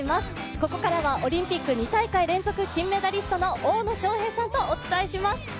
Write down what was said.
ここからはオリンピック２大会連続金メダリストの大野将平さんとお伝えします。